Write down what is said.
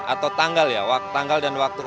atau tanggal ya tanggal dan waktu